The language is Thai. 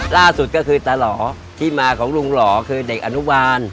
ล่าสุดก็คือตาหล่อที่มาของลุงหล่อคือเด็กอนุบาล